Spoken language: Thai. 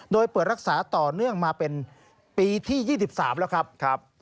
โดยเปิดรักษาต่อเนื่องมาเป็นปีที่๒๓แล้วครับ